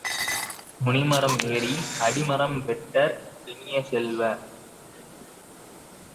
நுனிமரம் ஏறி அடிமரம் வெட்டற்க இனிய செல்வ!